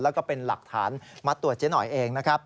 แล้วก็เป็นหลักฐานมัดตรวจเจ๊หน่อยเอง